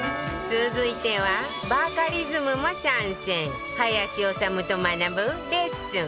続いてはバカリズムも参戦林修と学ぶ『レッスン！